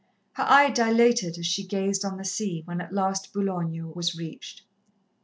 Her eye dilated as she gazed on the sea, when at last Boulogne was reached.